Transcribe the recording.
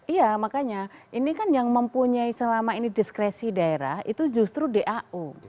iya makanya ini kan yang mempunyai selama ini diskresi daerah itu justru dau